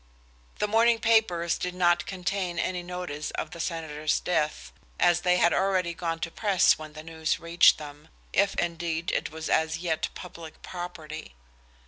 The morning papers did not contain any notice of the senator's death, as they had already gone to press when the news reached them, if indeed it was as yet public property.